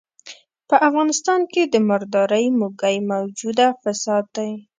په افغانستان کې د مردارۍ موږی موجوده فساد دی.